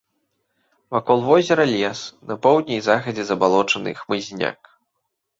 Вакол возера лес, на поўдні і захадзе забалочаны хмызняк.